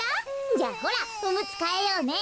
じゃあほらおむつかえようね。